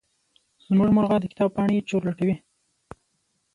زمونږ مرغه د کتاب پاڼې چورلټوي.